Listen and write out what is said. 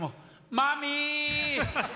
マミー！